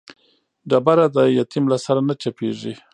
ډبره د يتيم له سره نه چپېږي.